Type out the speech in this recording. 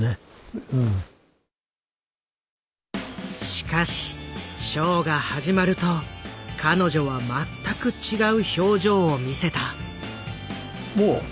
しかしショーが始まると彼女は全く違う表情を見せた。